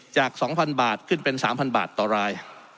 จากสองพันบาทขึ้นเป็นสามพันบาทต่อราย